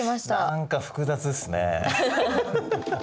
何か複雑ですね。